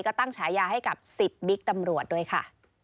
ก็ตั้งฉายาให้กับ๑๐บิ๊กตำรวจด้วยค่ะ